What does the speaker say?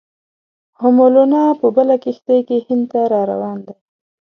او مولنا په بله کښتۍ کې هند ته را روان دی.